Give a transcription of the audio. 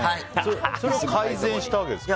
それを改善したわけですか？